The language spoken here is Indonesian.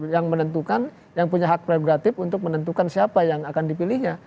yang menentukan yang punya hak prerogatif untuk menentukan siapa yang akan dipilihnya